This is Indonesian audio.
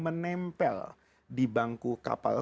menempel di bangku kapal